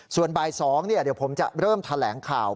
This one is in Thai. ส่วนบ่าย๒เดี๋ยวผมจะเริ่มแถลงข่าว